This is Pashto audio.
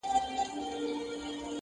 تمه نه وه د پاچا له عدالته!.